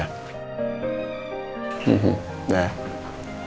aku mau ke rumah